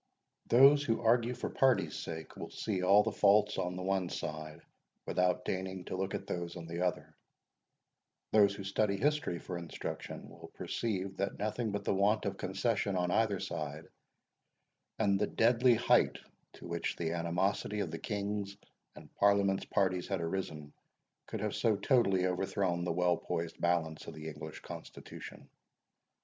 Those who argue for party's sake, will see all the faults on the one side, without deigning to look at those on the other; those who study history for instruction, will perceive that nothing but the want of concession on either side, and the deadly height to which the animosity of the King's and Parliament's parties had arisen, could have so totally overthrown the well poised balance of the English constitution.